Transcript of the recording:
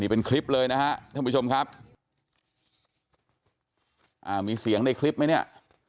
เป็นคลิปเลยนะฮะท่านผู้ชมครับอ่ามีเสียงในคลิปไหมเนี่ย